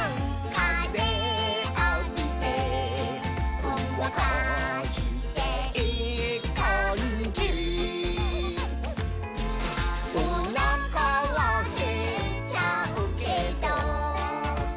「かぜあびてほんわかしていいかんじ」「おなかはへっちゃうけど」